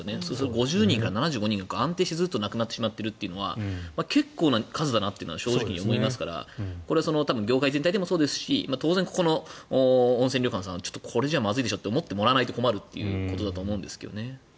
５０人から７５人が安定して亡くなってしまっているのは結構な数だなと思いますしこれは業界全体でもそうですし当然ここの温泉旅館さんはこれじゃまずいでしょって思ってもらわないと困るということだと思うんですけどね。